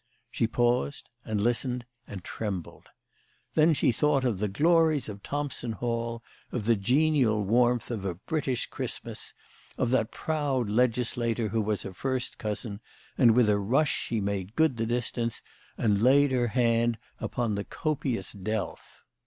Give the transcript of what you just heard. She paused, and listened, and trembled. Then she thought of the glories of Thompson Hall, of the genial warmth of a British Christmas, of that proud legislator who was her first cousin, and with a rush she made good the distance, and laid her hand upon the copious delf.